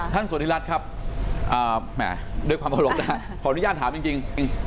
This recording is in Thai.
ท่านสวทีรัฐครับโดยความพอลงนะขออนุญาตถามจริง